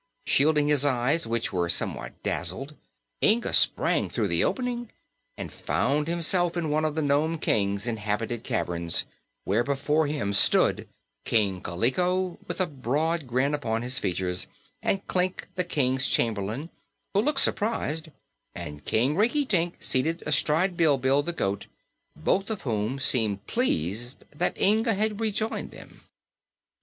Shielding his eyes, which were somewhat dazzled, Inga sprang through the opening and found himself in one of the Nome King's inhabited caverns, where before him stood King Kaliko, with a broad grin upon his features, and Klik, the King's chamberlain, who looked surprised, and King Rinkitink seated astride Bilbil the goat, both of whom seemed pleased that Inga had rejoined them.